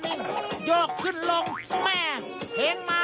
มีมีน้องเคยดูมีหรือเปล่า